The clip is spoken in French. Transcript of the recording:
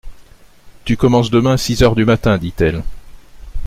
Tu commences demain, six heures du matin, dit-elle.